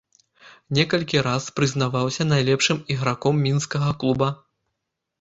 Некалькі раз прызнаваўся найлепшым іграком мінскага клуба.